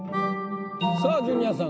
さぁジュニアさん